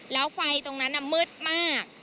แล้วไฟตรงนั้นมืดมาก